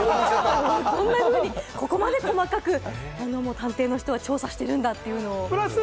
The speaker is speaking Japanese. こんなふうに、ここまで細かく探偵の人は調査しているんだというのを。